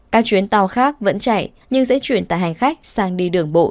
các chuyến tàu khác vẫn chạy nhưng sẽ chuyển tải hành khách sang đi đường bộ